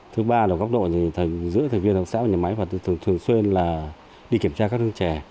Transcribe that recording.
thứ ba là góc độ giữa thầy viên thầy xã và nhà máy và thường xuyên là đi kiểm tra các hương chè